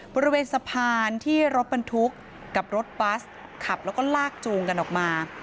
บริเวณสะพานที่รถบรรทุกกับรถบัสขับแล้วก็ลากจูงกันออกมา